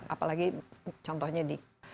apalagi contohnya di